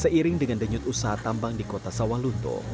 seiring dengan denyut usaha tambang di kota sawah lunto